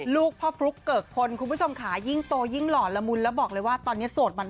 ลูกพ่อฟลุ๊กเกิกคนคุณผู้ชมค่ะยิ่งโตยิ่งหล่อละมุนแล้วบอกเลยว่าตอนนี้โสดมัน